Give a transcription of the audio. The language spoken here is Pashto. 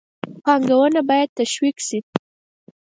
پانګونه باید تشویق شي.